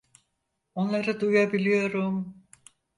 Onları duyabiliyorum.